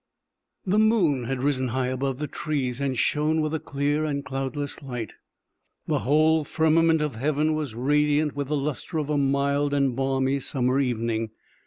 The moon had risen high above the trees and shone with a clear and cloudless light; the whole firmament of heaven was radiant with the lustre of a mild and balmy summer evening.